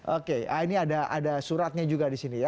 oke ini ada suratnya juga disini ya